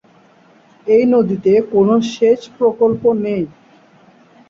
এই নদীতে কোনো সেচ প্রকল্প নেই।